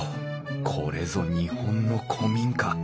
これぞ日本の古民家！